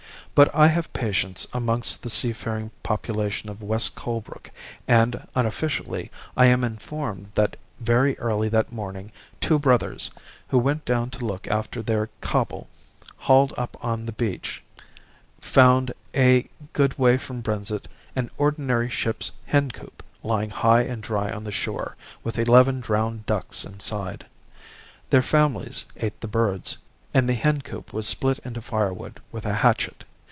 But I have patients amongst the seafaring population of West Colebrook, and, unofficially, I am informed that very early that morning two brothers, who went down to look after their cobble hauled up on the beach, found, a good way from Brenzett, an ordinary ship's hencoop lying high and dry on the shore, with eleven drowned ducks inside. Their families ate the birds, and the hencoop was split into firewood with a hatchet.